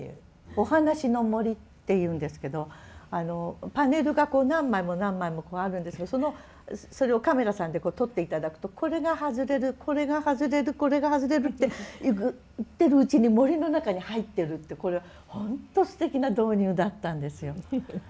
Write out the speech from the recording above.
「おはなしのもり」っていうんですけどパネルが何枚も何枚もあるんですがそのそれをカメラさんで撮って頂くとこれが外れるこれが外れるこれが外れるっていっているうちに森の中に入ってるってこれは本当すてきな導入だったんですよ。